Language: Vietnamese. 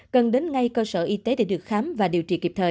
cần đến ngay cơ sở y tế để được khám và điều trị kịp thời